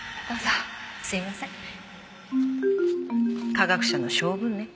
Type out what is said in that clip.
科学者の性分ね。